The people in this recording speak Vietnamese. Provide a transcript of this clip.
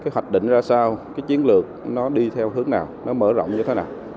hạch định ra sao chiến lược nó đi theo hướng nào nó mở rộng như thế nào